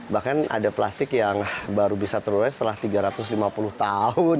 bahkan ada plastik yang baru bisa terurai setelah tiga ratus lima puluh tahun